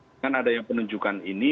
dengan adanya penunjukan ini